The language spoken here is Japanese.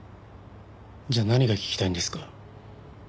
じゃあ何が聞きたいんですか？